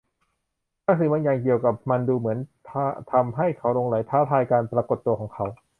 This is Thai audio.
บางสิ่งบางอย่างเกี่ยวกับมันดูเหมือนจะทำให้เขาหลงใหลท้าทายการปรากฏตัวของเขา